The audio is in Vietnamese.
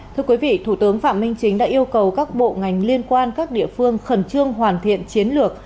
thưa quý vị thủ tướng phạm minh chính đã yêu cầu các bộ ngành liên quan các địa phương khẩn trương hoàn thiện chiến lược